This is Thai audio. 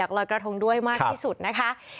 ลอยกระทงด้วยมากที่สุดนะคะ